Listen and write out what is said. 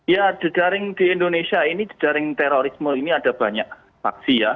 ya di indonesia ini di jaring terorisme ini ada banyak paksi ya